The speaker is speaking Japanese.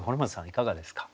いかがですか？